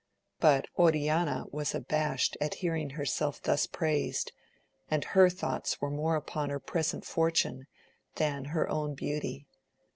But Oriana was abashed at hearing herself thus praised, and her thoughts were more upon her present fortune than her own beauty.